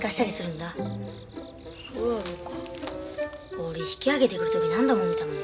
俺引き揚げてくる時何度も見たもん。